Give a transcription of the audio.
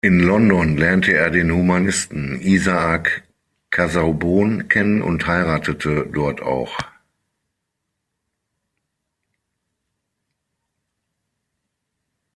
In London lernte er den Humanisten Isaac Casaubon kennen und heiratete dort auch.